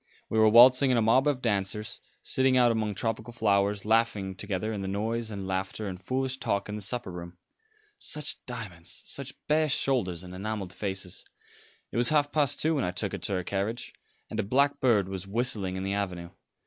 We were waltzing in a mob of dancers, sitting out among tropical flowers, laughing together in the noise and laughter and foolish talk in the supper room. Such diamonds; such bare shoulders and enamelled faces. It was half past two when I took her to her carriage, and a blackbird was whistling in the avenue.